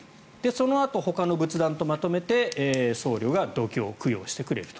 そのあとほかの仏壇とまとめて僧侶が読経・供養をしてくれると。